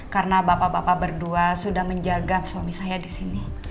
karena bapak bapak berdua sudah menjaga suami saya di sini